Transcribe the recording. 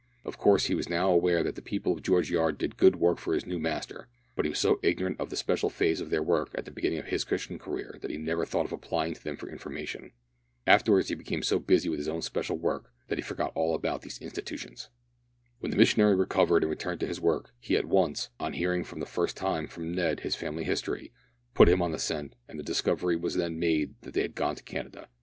Of course he was now aware that the people of George Yard did good work for his new Master, but he was so ignorant of the special phase of their work at the beginning of his Christian career that he never thought of applying to them for information. Afterwards he became so busy with his own special work, that he forgot all about these institutions. When the missionary recovered and returned to his work, he at once on hearing for the first time from Ned his family history put him on the scent, and the discovery was then made that they had gone to Canada.